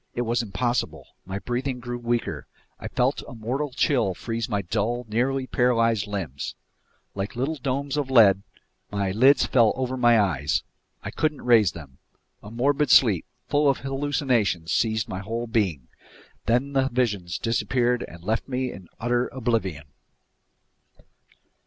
It was impossible. My breathing grew weaker. I felt a mortal chill freeze my dull, nearly paralyzed limbs. Like little domes of lead, my lids fell over my eyes. I couldn't raise them. A morbid sleep, full of hallucinations, seized my whole being. Then the visions disappeared and left me in utter oblivion.